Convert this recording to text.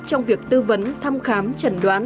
trong việc tư vấn thăm khám chẩn đoán